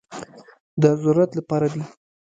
د ضرورت لپاره دي.